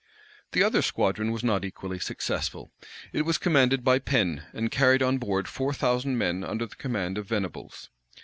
The other squadron was not equally successful. It was commanded by Pen, and carried on board four thousand men under the command of Venables.